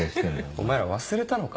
お前ら忘れたのか？